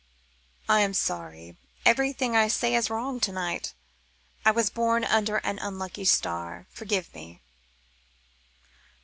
"I am sorry. Everything I say is wrong to night. I was born under an unlucky star. Forgive me."